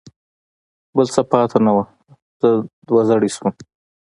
بل څه پاتې نه و، زه دوه زړی شوم.